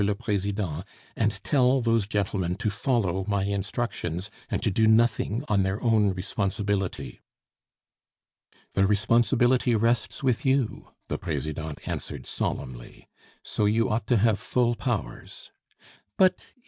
le President, and tell those gentlemen to follow my instructions, and to do nothing on their own responsibility." "The responsibility rests with you," the Presidente answered solemnly, "so you ought to have full powers. But is M.